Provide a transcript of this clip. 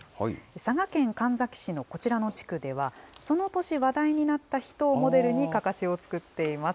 佐賀県神埼市のこちらの地区では、その年話題になった人をモデルにかかしを作っています。